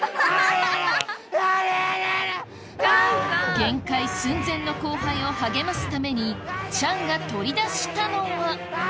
限界寸前の後輩を励ますためにチャンが取り出したのはあぁ